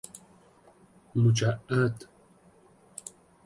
مجعد